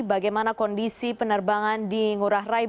bagaimana kondisi penerbangan di ngurah rai